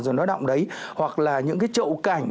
rồi nó động đấy hoặc là những cái trậu cảnh